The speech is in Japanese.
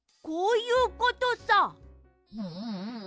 こういうことさ！